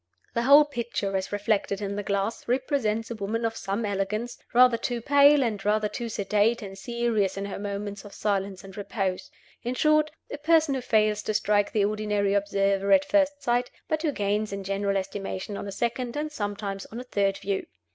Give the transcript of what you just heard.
The whole picture, as reflected in the glass, represents a woman of some elegance, rather too pale, and rather too sedate and serious in her moments of silence and repose in short, a person who fails to strike the ordinary observer at first sight, but who gains in general estimation on a second, and sometimes on a third view.